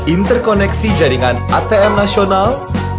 interkoneksi jaringan atm nasional